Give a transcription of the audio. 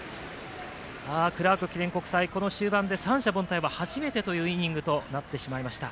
クラーク記念国際この終盤で三者凡退は初めてというイニングになってしまいました。